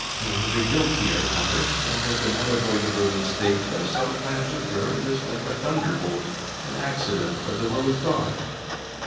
Only the guilty are punished, and if an unavoidable mistake does sometimes occur, it is like a thunderbolt an accident, or the will of God.